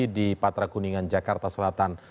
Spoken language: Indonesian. di patra kuningan jakarta selatan